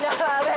nyala abah hebat